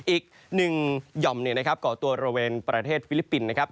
อีกหนึ่งหย่อมก่อตัวบริเวณประเทศฟิลิปปินส์นะครับ